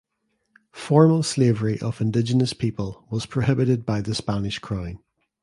Formal slavery of indigenous people was prohibited by the Spanish Crown.